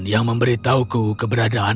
saya akan menjadikan kaisarmu sebagai pelayan